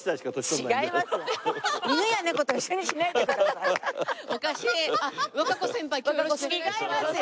違いますよ！